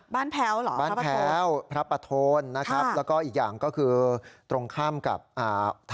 บ้านแพลวเหรอครับปะท